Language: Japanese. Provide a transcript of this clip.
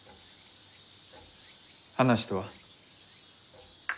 話とは？